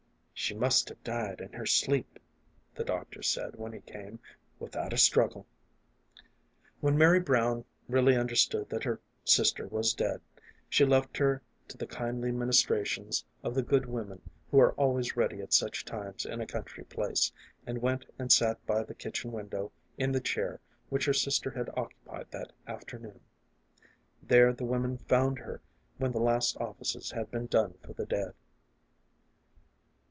" She must have died in her sleep,' 5 the doctor said, when he came, " without a struggle." When Mary Brown really understood that her sister was dead, she left her to the kindly ministrations of the good women who are always ready at such times in a country place, and went and sat by the kitchen window in the chair which her sister had occupied that afternoon. There the women found her when the last offices had been done for the dead.